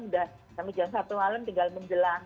udah kami jam satu malam tinggal menjelang